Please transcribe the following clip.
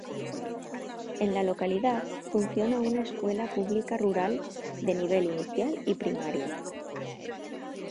En la localidad funciona una escuela pública rural de nivel inicial y primario.